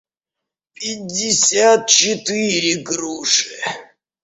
пятьдесят четыре груши